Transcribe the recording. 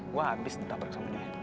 gue abis ditabrak sama dia